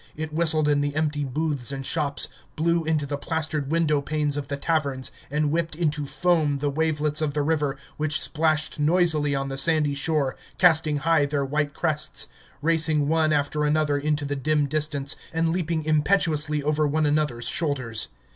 It whistled in the empty booths and shops, blew into the plastered window panes of the taverns, and whipped into foam the wavelets of the river which splashed noisily on the sandy shore, casting high their white crests, racing one after another into the dim distance, and leaping impetuously over one another's shoulders.